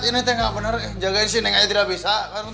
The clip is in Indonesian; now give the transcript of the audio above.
nengnya nggak bener jagain si neng aja tidak bisa